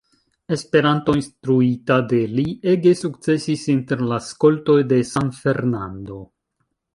Esperanto, instruita de li, ege sukcesis inter la skoltoj de San Fernando.